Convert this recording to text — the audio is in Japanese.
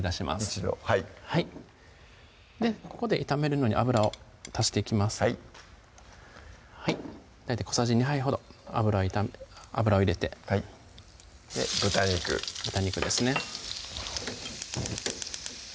一度はいここで炒めるのに油を足していきます大体小さじ２杯ほど油を入れて豚肉豚肉ですね